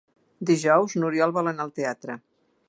Dijous n'Oriol vol anar al teatre.